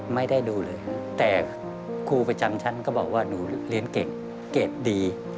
ไม่ได้ดูเลยแต่ครูประจำชั้นก็บอกว่าหนูเรียนเก่งเกรดดี